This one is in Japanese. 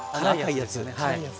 辛いやつ。